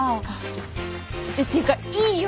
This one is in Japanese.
えっていうかいいよ